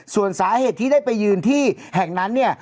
ส่วนสาเหตุที่ได้ไปยืนที่แห่งนั้นเนี่ย